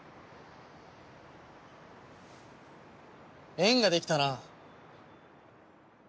縁ができたな。